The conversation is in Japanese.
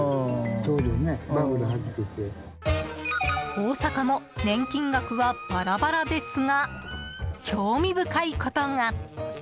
大阪も年金額はバラバラですが興味深いことが。